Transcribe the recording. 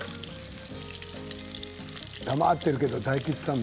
黙ってるけど大吉さん